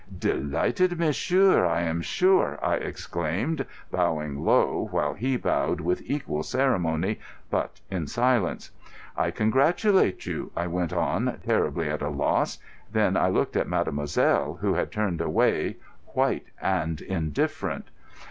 "Delighted, monsieur, I am sure," I exclaimed, bowing low, while he bowed with equal ceremony, but in silence. "I congratulate you," I went on, terribly at a loss. Then I looked at mademoiselle, who had turned away white and indifferent.